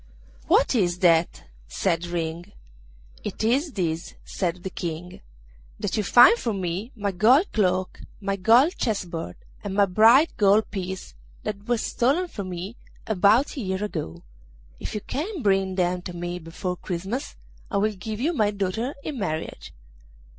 'What is that?' said Ring. 'It is this,' said the King: 'that you find for me my gold cloak, my gold chess board, and my bright gold piece, that were stolen from me about a year ago. If you can bring them to me before Christmas I will give you my daughter in marriage.